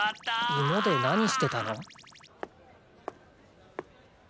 イモで何してたの？